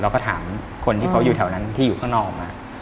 เราก็ถามคนที่เขาอยู่แถวนั้นที่อยู่ข้างนอก